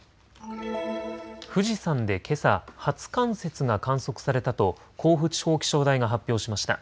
富士山でけさ初冠雪が観測されたと甲府地方気象台が発表しました。